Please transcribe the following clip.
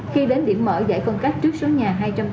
khi đến điểm mở giải con cách trước số nhà hai trăm tám mươi hai